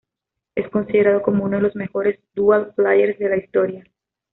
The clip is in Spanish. Es considerado como uno de los mejores "dual players" de la historia.